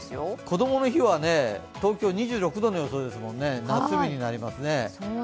こどもの日は東京２６度の予想ですので夏日になりますね。